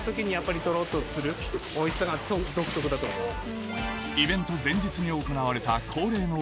おいしさが独特だと思います。